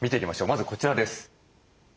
まずこちらです。